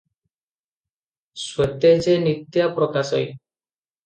ସ୍ୱତେଜେ ନିତ୍ୟ ପ୍ରକାଶଇ ।